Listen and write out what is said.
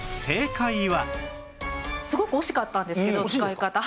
すごく惜しかったんですけど使い方。